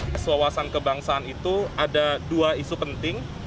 tes wawasan kebangsaan itu ada dua isu penting